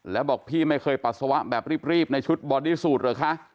แล้วบอกพี่ไม่เคยปัสสาวะแบบรีบในชุดบอดี้สูตรเหรอคะ